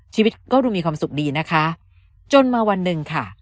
ชีวิตก็ดูมีความสุขดีนะคะจนมาวันหนึ่งค่ะ